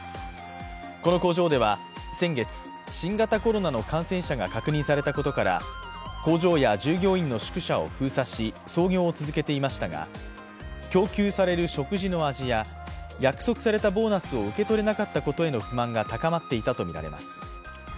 この工場では先月新型コロナの感染者が核にされたことから工場や従業員の宿舎を封鎖し、操業を続けていましたが、供給される食事の味や約束されたボーナスを受け取れなかったことへの不満が高まっていたとみられます。